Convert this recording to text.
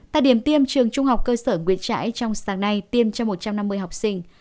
tại điểm tiêm trường trung học cơ sở nguyễn trãi trong sáng nay tiêm cho một trăm năm mươi học sinh